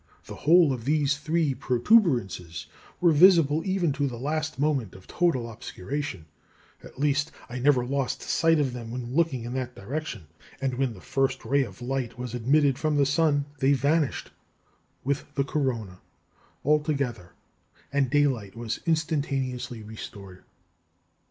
The whole of these three protuberances were visible even to the last moment of total obscuration; at least, I never lost sight of them when looking in that direction; and when the first ray of light was admitted from the sun, they vanished, with the corona, altogether, and daylight was instantaneously restored."